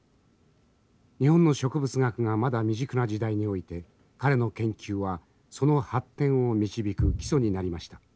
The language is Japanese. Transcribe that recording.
日本の植物学がまだ未熟な時代において彼の研究はその発展を導く基礎になりました。